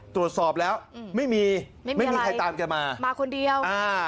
ตรวจสอบแล้วไม่มีไม่มีใครตามแกมามาคนเดียวอ่า